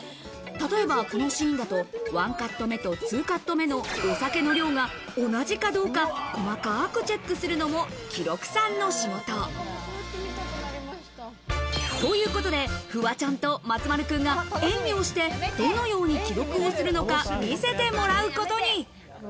例えばこのシーンだと、ワンカット目と２カット目のお酒の量が同じかどうか細かくチェックするのも、記録さんの仕事。ということで、フワちゃんと松丸君が演技をして、どのように記録をするのか見せてもらうことに。